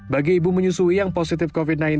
bagi ibu menyusui yang positif covid sembilan belas